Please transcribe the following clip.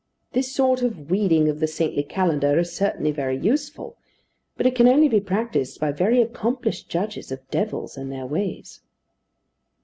This sort of weeding of the saintly calendar is certainly very useful; but it can only be practised by very accomplished judges of devils and their ways.